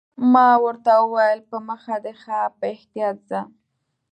ما ورته وویل: په مخه دې ښه، په احتیاط ځه.